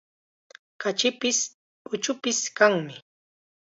Kachipis, uchupis kanmi.